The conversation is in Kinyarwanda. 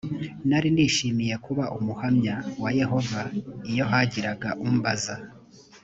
nari nishimiye kuba umuhamya wa yehova iyo hagiraga umbaza